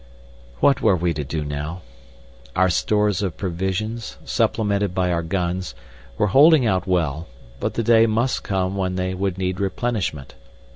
What were we to do now? Our stores of provisions, supplemented by our guns, were holding out well, but the day must come when they would need replenishment.